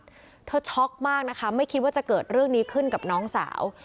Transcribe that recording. เธอช็อกมากนะคะไม่คิดว่าจะเกิดเรื่องนี้ขึ้นกับน้องสาว